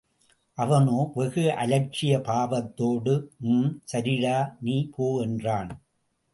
அவனோ வெகு அலட்சிய பாவத்தோடு, ம்... சரிடா நீ போ! என்றான்.